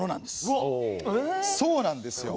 そうなんですよ。